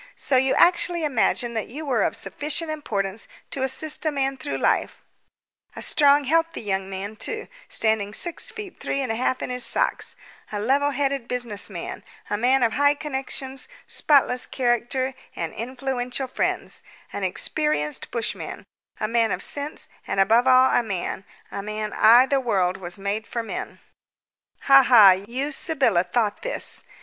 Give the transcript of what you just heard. So you actually imagined that you were of sufficient importance to assist a man through life a strong, healthy young man too, standing six feet three and a half in his socks, a level headed business man, a man of high connections, spotless character, and influential friends, an experienced bushman, a man of sense, and, above all, a man a man! The world was made for men. "Ha ha! You, Sybylla, thought this!